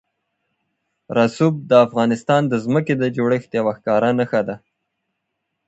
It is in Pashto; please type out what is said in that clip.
رسوب د افغانستان د ځمکې د جوړښت یوه ښکاره نښه ده.